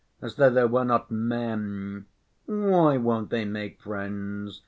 As though they were not men. Why won't they make friends?"